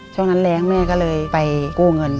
ช่วงนั้นแรงแม่ก็เลยไปกู้เงิน